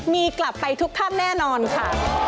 มีกลับไปทุกท่านแน่นอนค่ะ